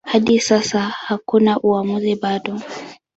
Hadi sasa hakuna uamuzi bado.